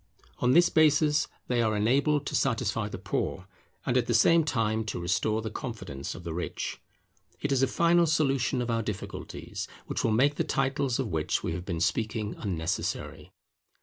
On this basis they are enabled to satisfy the Poor, and at the same time to restore the confidence of the Rich. It is a final solution of our difficulties which will make the titles of which we have been speaking unnecessary.